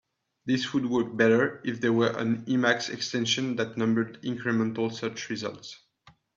This would work better if there were an Emacs extension that numbered incremental search results.